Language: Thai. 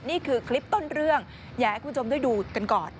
นี่คือคลิปต้นเรื่องอยากให้คุณผู้ชมได้ดูกันก่อน